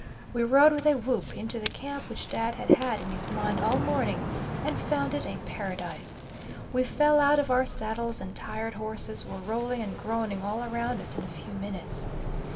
We rode with a whoop into the camp which Dad had had in his mind all morning, and found it a paradise. We fell out of our saddles, and tired horses were rolling and groaning all around us in a few minutes.